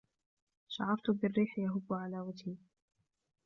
شعرت بالريح يهبّ على وجهي.